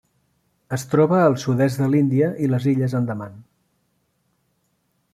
Es troba al sud-est de l'Índia i les Illes Andaman.